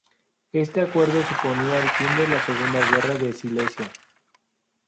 Este acuerdo suponía el fin de la Segunda Guerra de Silesia.